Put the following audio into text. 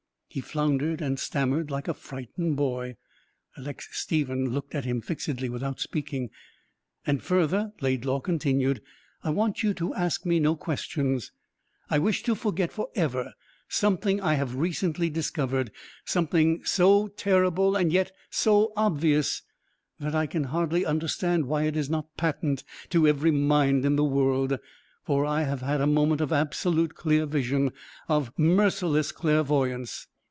He floundered and stammered like a frightened boy. Alexis Stephen looked at him fixedly without speaking. "And further," Laidlaw continued, "I want you to ask me no questions. I wish to forget for ever something I have recently discovered something so terrible and yet so obvious that I can hardly understand why it is not patent to every mind in the world for I have had a moment of absolute clear vision of merciless clairvoyance.